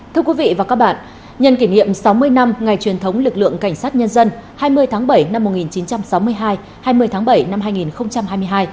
thưa quý vị và các bạn nhân kỷ niệm sáu mươi năm ngày truyền thống lực lượng cảnh sát nhân dân hai mươi tháng bảy năm một nghìn chín trăm sáu mươi hai hai mươi tháng bảy năm hai nghìn hai mươi hai